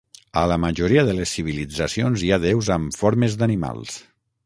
A la majoria de les civilitzacions hi ha déus amb formes d'animals.